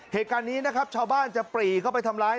เหตุการณ์นี้นะครับชาวบ้านจะปรีเข้าไปทำร้าย